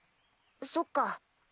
そっか。